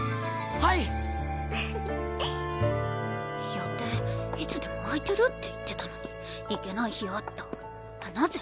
予定いつでも空いてるって言ってたのに行けない日あったなぜ？